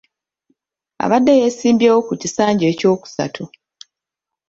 Abadde yeesimbyewo ku kisanja ekyokusatu.